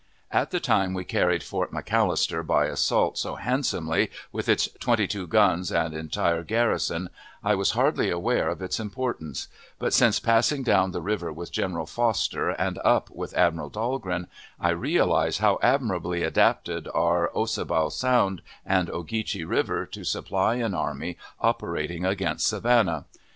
At the time we carried Fort McAllister by assault so handsomely, with its twenty two guns and entire garrison, I was hardly aware of its importance; but, since passing down the river with General Foster and up with Admiral Dahlgren, I realize how admirably adapted are Ossabaw Sound and Ogeechee River to supply an army operating against Savannah.